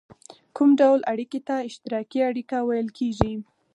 کوم ډول اړیکې ته اشتراکي اړیکه ویل کیږي؟